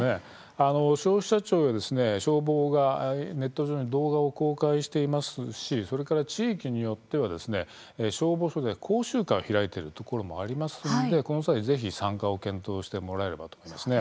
消費者庁や消防がネット上に動画を公開していますしそれから地域によっては消防署で講習会を開いているところもありますのでこの際、ぜひ参加を検討してもらえればと思います。